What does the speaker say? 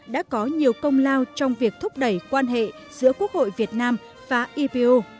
đã có nhiều công lao trong việc thúc đẩy quan hệ giữa quốc hội việt nam và ipu